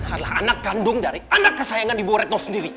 adalah anak kandung dari anak kesayangan di bawah retno sendiri